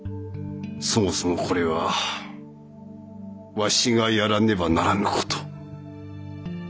そもそもこれはわしがやらねばならぬ事。